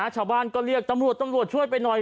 ชาวบ้านก็เรียกตำรวจตำรวจช่วยไปหน่อย